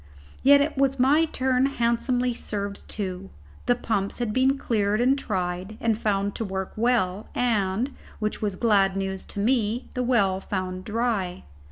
Yet was my turn handsomely served too. The pumps had been cleared and tried, and found to work well, and which was glad news to me the well found dry.